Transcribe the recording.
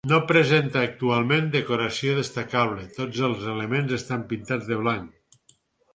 No presenta actualment decoració destacable, tots els elements estan pintats de blanc.